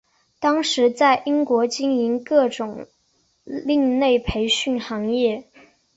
当时在英国经营各种另类培训行业。